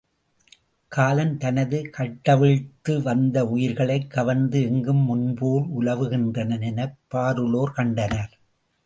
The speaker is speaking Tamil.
காலன் தனது கட்டவிழ்த்து வந்து உயிர்களைக் கவர்ந்து எங்கும் முன்போல் உலவுகின்றனன் எனப் பாருளோர் கண்டனர்.